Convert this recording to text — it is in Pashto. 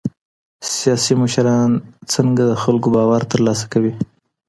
سياسي مشران څنګه د خلګو باور ترلاسه کوي؟